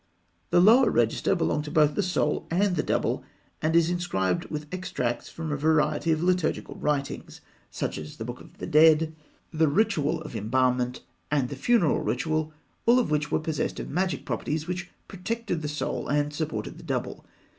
The lower register belonged to both the Soul and the Double, and is inscribed with extracts from a variety of liturgical writings, such as The Book of the Dead, the Ritual of Embalmment, and the Funeral Ritual, all of which were possessed of magic properties which protected the Soul and supported the Double.